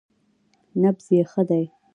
_نبض يې ښه دی.